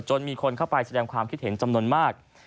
มีคนเข้าไปแสดงความคิดเห็นจำนวนมาก